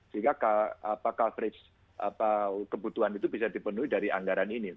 sehingga coverage kebutuhan itu bisa dipenuhi dari anggaran ini